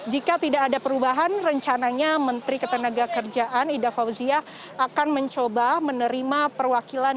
jika tidak ada perubahan rencananya menteri ketenaga kerjaan ida fauzia akan mencoba menerima perwakilan